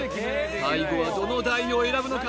最後はどの台を選ぶのか？